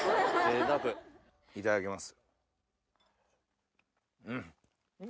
いただきます。